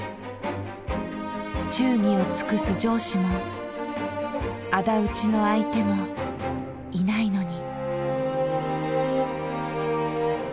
忠儀を尽くす上司も仇討ちの相手もいないのに。